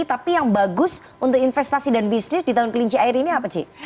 tapi yang bagus untuk investasi dan bisnis di tahun kelinci air ini apa cik